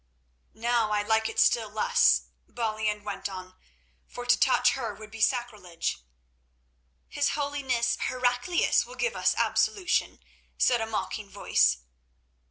"Now I like it still less," Balian went on, "for to touch her would be sacrilege." "His Holiness, Heraclius, will give us absolution," said a mocking voice.